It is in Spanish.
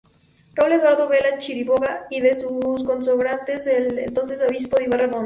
Raúl Eduardo Vela Chiriboga y de sus co-consagrantes: el entonces Obispo de Ibarra Mons.